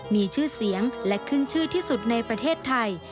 มีชื่อเสียงและขึ้นชื่อที่สุดในประเทศไทย